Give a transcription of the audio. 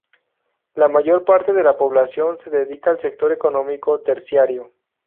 La mayor parte de la población se dedica al sector económico terciario.